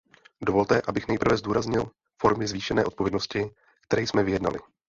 Dovolte, abych nejprve zdůraznil formy zvýšené odpovědnosti, které jsme vyjednali.